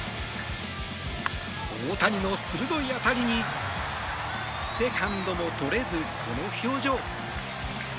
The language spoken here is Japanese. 大谷の鋭い当たりにセカンドもとれず、この表情。